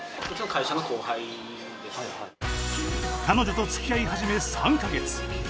彼女とつきあい始め３か月。